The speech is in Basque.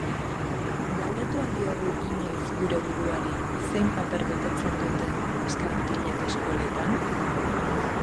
Galdetu al diogu inoiz gure buruari zein paper betetzen duten neska mutilek eskoletan?